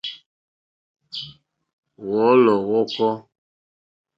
Wɔ̀ɔ́lɔ̀ wɔ̀kɔ́.